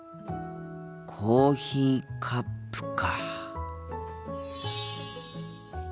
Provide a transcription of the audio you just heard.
コーヒーカップか。